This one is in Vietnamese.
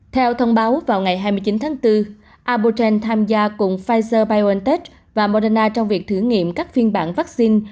theo thông báo vào ngày hai mươi chín tháng bốn abuchen tham gia cùng pfizer biontech và moderna trong việc thử nghiệm các phiên bản vaccine